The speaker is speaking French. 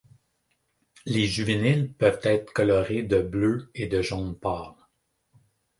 Les juvéniles peuvent être colorés de bleu et de jaune pâle.